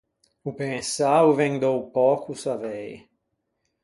O pensâ o ven da-o pöco savei.